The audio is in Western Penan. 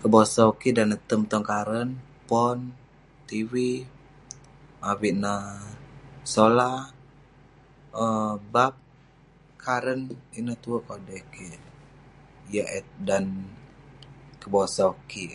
Kebosau kik dan neh tem tong karen, pon, tv avik neh solar um bap, karen. Ineh tue kodai kik...Jiak eh dan kebosau kik.